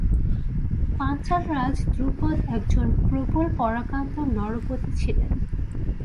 পাঞ্চালরাজ দ্রুপদ একজন প্রবল-পরাক্রান্ত নরপতি ছিলেন।